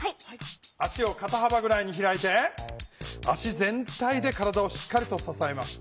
足をかたはばぐらいに開いて足ぜん体で体をしっかりとささえます。